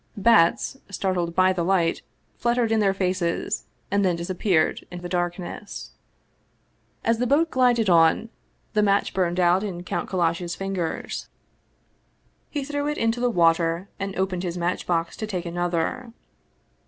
Bats, startled by the light, fluttered in their faces, and then disappeared in the darkness. As the boat glided on, the match burned out in Count 240 Vsevolod Vladimir ovitch Krestovski Kallash's fingers. He threw it into the water, and opened his matchbox to take another.